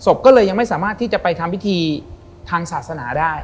ศพก็เลยยังไม่สามารถที่จะไปทำพิธีทางศาสนาได้